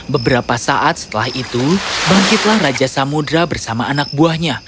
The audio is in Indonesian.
beberapa saat setelah itu bangkitlah raja samudera bersama anak buahnya